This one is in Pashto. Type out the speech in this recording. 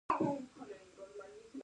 د هلمند په کجکي کې د یورانیم نښې شته.